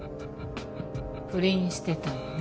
不倫してたのね。